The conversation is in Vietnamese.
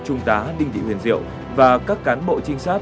trung tá đinh thị huyền diệu và các cán bộ trinh sát